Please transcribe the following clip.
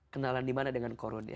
kenalan dimana dengan korun ya